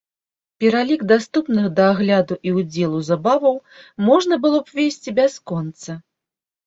Пералік даступных да агляду і ўдзелу забаваў можна было б весці бясконца.